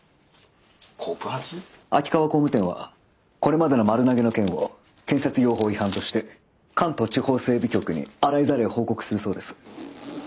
秋川工務店はこれまでの丸投げの件を建設業法違反として関東地方整備局に洗いざらい報告するそうです。